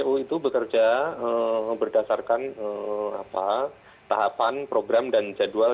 kpu itu bekerja berdasarkan tahapan program dan jadwal